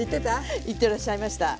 言ってらっしゃいました。